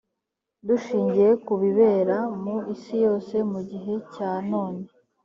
dushingiye ku bibera mu isi yose mu gihe cya none